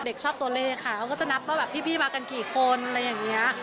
เด็กชอบตัวเลขค่ะเขาก็จะนับว่าแบบพี่มากันกี่คนอะไรอย่างนี้